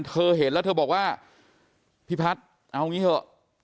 เธอเห็นแล้วเธอบอกว่าพี่พัฒน์เอางี้เถอะ